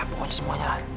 ya pokoknya semuanya lah